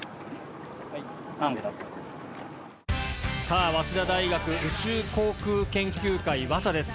さあ早稲田大学宇宙航空研究会ＷＡＳＡです。